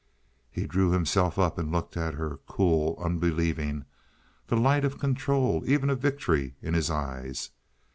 He drew himself up and looked at her—cool, unbelieving, the light of control, even of victory, in his eyes.